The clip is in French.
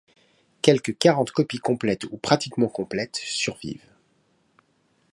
Quelque quarante copies complètes ou pratiquement complètes survivent.